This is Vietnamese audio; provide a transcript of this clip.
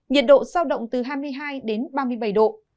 nhiệt độ sao động từ hai mươi hai đến ba mươi bảy độ